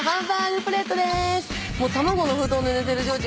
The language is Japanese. もう卵の布団で寝てるジョージ